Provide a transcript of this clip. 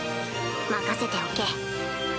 任せておけ。